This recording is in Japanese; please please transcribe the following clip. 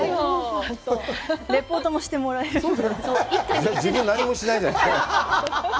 レポートもしてもらえるので。